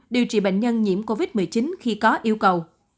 điều trị bệnh nhân nhiễm covid một mươi chín khi có yêu cầu